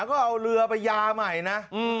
ก็เอาเรือไปยาใหม่นะ